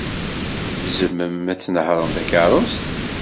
Tzemrem ad tnehṛem takeṛṛust?